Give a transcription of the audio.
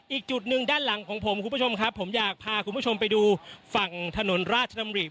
อีกจุดหนึ่งด้านหลังของผมคุณผู้ชมครับผมอยากพาคุณผู้ชมไปดูฝั่งถนนราชดำริ